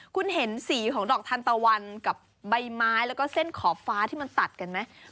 คุณเห็นสีของดอกทันตะวันกับใบไม้แล้วก็เส้นขอบฟ้าที่มันตัดกันไหม